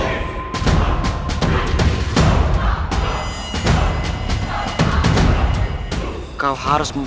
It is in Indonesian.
untukohjut euforia latihan peracanang ter conditioner harga terhadap perang pada masa dua ribu empat belas m